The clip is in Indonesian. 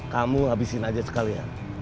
kamu habisin aja sekalian